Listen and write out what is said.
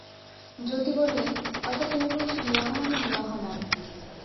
যতী বললে, অর্থাৎ তুমি বলছ বিবাহ মানে বিবাহ নয়।